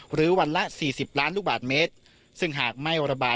หรือวันละ๔๐ล้านลูกบาทเมตร